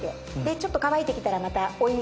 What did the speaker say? ちょっと乾いて来たらまた。